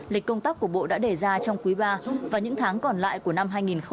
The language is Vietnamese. lịch công tác của bộ đã đề ra trong quý ba và những tháng còn lại của năm hai nghìn hai mươi